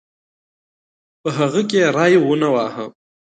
په هغه کې یې ری ونه واهه.